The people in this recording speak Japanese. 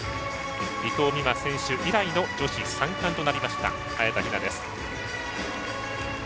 伊藤美誠選手以来の女子三冠となりました、早田ひな。